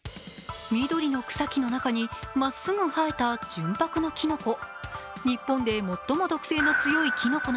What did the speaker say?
緑の草木の中に、まっすぐ生えた純白のきのこ。